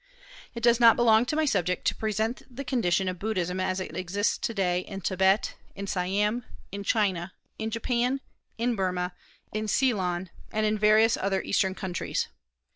It does not belong to my subject to present the condition of Buddhism as it exists to day in Thibet, in Siam, in China, in Japan, in Burmah, in Ceylon, and in various other Eastern countries.